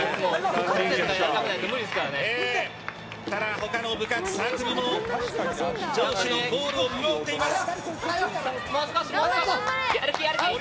他の部活・サークルも上智のゴールを見守っています。